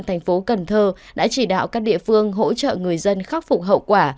thành phố cần thơ đã chỉ đạo các địa phương hỗ trợ người dân khắc phục hậu quả